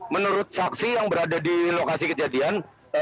menurut saksi yang berada di lokasi kejadian